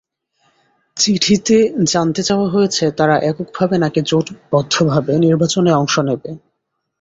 চিঠিতে জানতে চাওয়া হয়েছে, তারা এককভাবে, নাকি জোটবদ্ধভাবে নির্বাচনে অংশ নেবে।